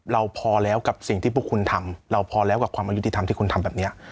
เราพอแล้วกับสิ่งที่พวกคุณทำเราพอแล้วกับความอายุติธรรมที่คุณทำแบบนี้